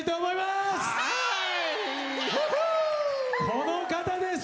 この方です。